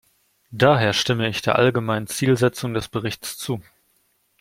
Daher stimme ich der allgemeinen Zielsetzung des Berichts zu.